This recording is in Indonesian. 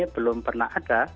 belum pernah ada